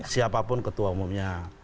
siapapun ketua umumnya